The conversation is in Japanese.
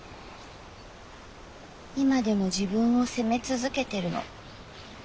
今でも自分を責め続けてるの。